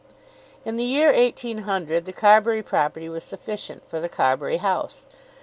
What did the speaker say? In the year 1800 the Carbury property was sufficient for the Carbury house.